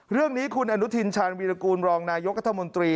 เรื่องนี้คุณอนุทินชาญวีรกูลรองนายกรัฐมนตรี